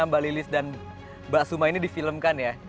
mbak lilis dan mbak suma ini difilmkan ya